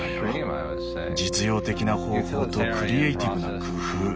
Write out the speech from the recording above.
実用的な方法とクリエーティブな工夫。